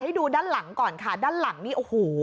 ดูด้านหลังก่อนค่ะด้านหลังนี่โอ้โห